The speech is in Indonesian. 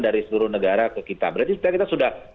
dari seluruh negara ke kita berarti kita sudah